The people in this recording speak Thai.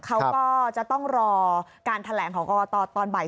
เขาก็จะต้องรอการแถลงของกรกตตอนบ่าย